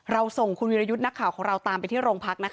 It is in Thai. ส่งคุณวิรยุทธ์นักข่าวของเราตามไปที่โรงพักนะคะ